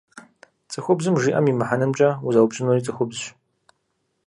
ЦӀыхубзым жиӏэм и мыхьэнэмкӀэ узэупщӀынури цӀыхубзщ.